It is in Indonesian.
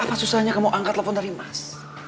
apa susahnya kamu angkat telepon dari mas